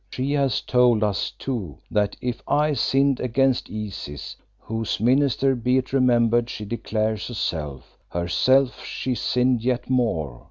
She has told us too that if I sinned against Isis, whose minister be it remembered she declares herself, herself she sinned yet more.